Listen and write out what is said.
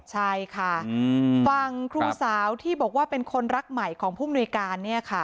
ใช่ค่ะฟังครูสาวที่บอกว่าเป็นคนรักใหม่ของผู้มนุยการ